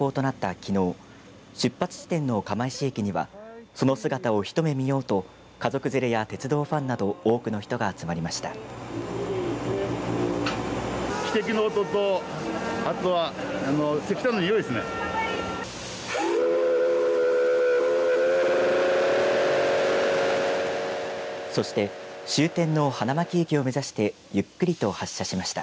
きのう出発地点の釜石駅にはその姿を一目見ようと家族連れや鉄道ファンなど多くの人が集まりました。